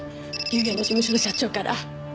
竜也の事務所の社長から。